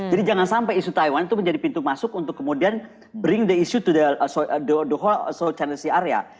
jadi jangan sampai isu taiwan itu menjadi pintu masuk untuk kemudian bring the issue to the whole south china sea area